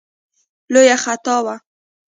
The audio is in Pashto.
لویه خطا وه.